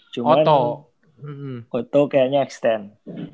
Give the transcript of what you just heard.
cuman oto kayaknya extend